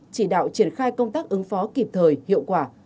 chỉ đạo triển khai công tác ứng phó kịp thời hiệu quả